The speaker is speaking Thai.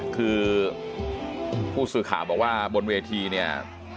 คือผู้สื่อข่าวบอกว่าบนเวทีเนี่ย